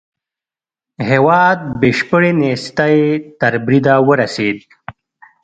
هېواد بشپړې نېستۍ تر بريده ورسېد.